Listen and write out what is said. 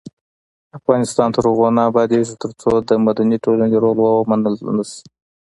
افغانستان تر هغو نه ابادیږي، ترڅو د مدني ټولنې رول ومنل نشي.